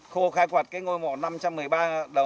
cô khai quật cái ngôi mộ năm trăm một mươi ba